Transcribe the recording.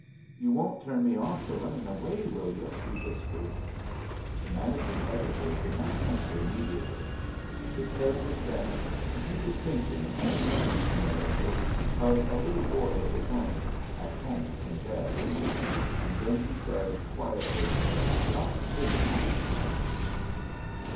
"You won't turn me off for running away, will you?" he whispered. The managing editor did not answer immediately. His head was bent, and he was thinking, for some reason or other, of a little boy of his own, at home in bed. Then he said quietly, "Not this time, Gallegher."